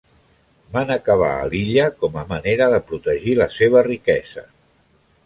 Van acabar a l'illa com a manera de protegir la seva riquesa.